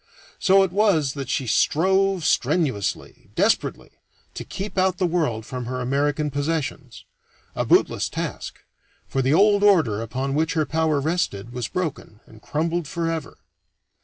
So it was that she strove strenuously, desperately, to keep out the world from her American possessions a bootless task, for the old order upon which her power rested was broken and crumbled forever.